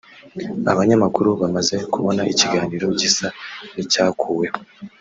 Abanyamakuru bamaze kubona ikiganiro gisa n’icyakuweho